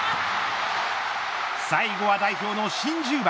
最後は代表の新１０番。